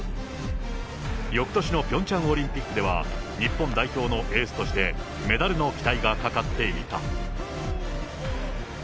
よくとしのピョンチャンオリンピックでは、日本代表のエースとして、メダルの期待がかかっていた。